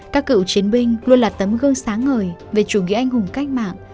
các cựu chiến binh luôn là tấm gương sáng ngời về chủ nghĩa anh hùng cách mạng